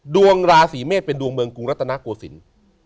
ดวงราศีเมษเป็นดวงเมืองกรุงรัฐนาโกศิลป์